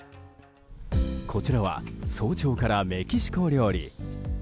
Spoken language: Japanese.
こちらは早朝からメキシコ料理。